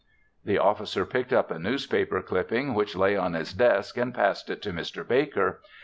The officer picked up a newspaper clipping, which lay on his desk, and passed it to Mr. Baker.